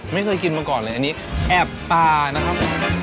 ไม่เคยกินมาก่อนเลยอันนี้แอบตานะครับ